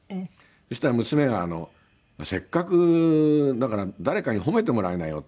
そうしたら娘が「せっかくだから誰かに褒めてもらいなよ」って言われて。